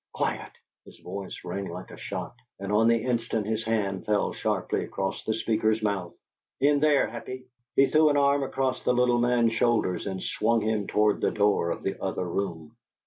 "QUIET!" His voice rang like a shot, and on the instant his hand fell sharply across the speaker's mouth. "In THERE, Happy!" He threw an arm across the little man's shoulders and swung him toward the door of the other room.